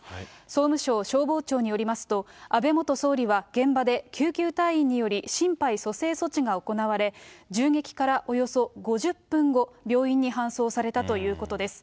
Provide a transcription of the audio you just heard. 総務省消防庁によりますと、安倍元総理は現場で救急隊員により、心肺蘇生措置が行われ、銃撃からおよそ５０分後、病院に搬送されたということです。